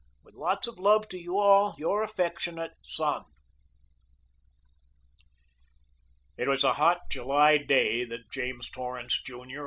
With lots of love to you all, Your affectionate SON. It was a hot July day that James Torrance, Jr.